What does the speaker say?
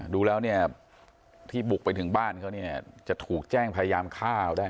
ดูแล้วที่บุกไปถึงบ้านเขาจะถูกแจ้งพยายามฆ่าเขาได้